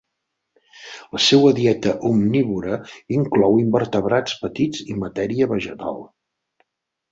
La seua dieta omnívora inclou invertebrats petits i matèria vegetal.